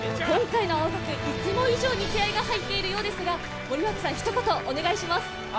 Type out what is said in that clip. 今回の青学、いつも以上に気合いが入っているようですが、森脇さんひと言お願いします。